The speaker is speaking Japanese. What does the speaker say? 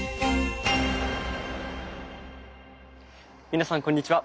皆さんこんにちは。